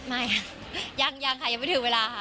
ยังค่ะยังไม่ถึงเวลาค่ะ